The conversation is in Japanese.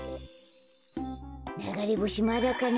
ながれぼしまだかな。